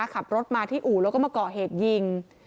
ขับรถมาที่อู่แล้วก็มาก่อเหตุยิง